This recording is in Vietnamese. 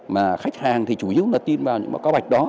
mà khách hàng thì chủ yếu là tin vào những báo cáo bạch đó